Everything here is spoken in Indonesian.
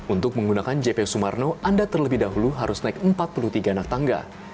untuk menggunakan jpo sumarno anda terlebih dahulu harus naik empat puluh tiga anak tangga